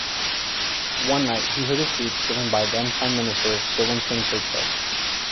One night he heard a speech given by then-Prime Minister Sir Winston Churchill.